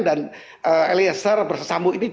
dan aliezar bersambung ini